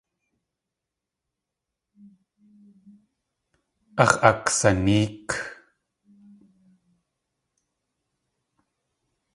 Áx̲ aksanéek.